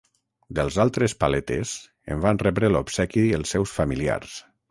Dels altres paletes, en van rebre l'obsequi els seus familiars.